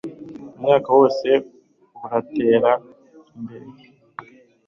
Umwaka wose uratera imbere